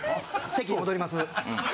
席戻ります。